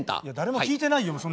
いや誰も聞いてないよ